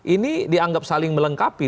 ini dianggap saling melengkapi